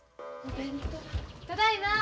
ただいま。